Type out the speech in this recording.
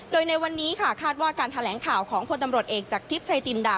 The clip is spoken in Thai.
โดยในวันนี้ค่ะคาดว่าการแถลงข่าวของพลตำรวจเอกจากทิพย์ชายจินดา